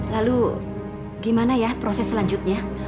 lalu gimana ya proses selanjutnya